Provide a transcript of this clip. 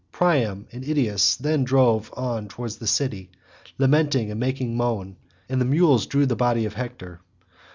Priam and Idaeus then drove on toward the city lamenting and making moan, and the mules drew the body of Hector.